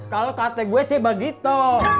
kalau kata gue sih begitu